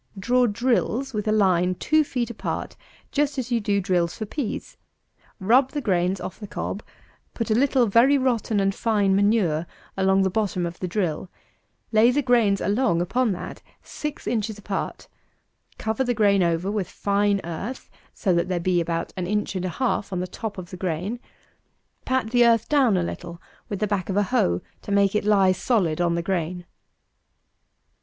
Draw drills with a line two feet apart, just as you do drills for peas; rub the grains off the cob; put a little very rotten and fine manure along the bottom of the drill; lay the grains along upon that six inches apart; cover the grain over with fine earth, so that there be about an inch and a half on the top of the grain; pat the earth down a little with the back of a hoe to make it lie solid on the grain.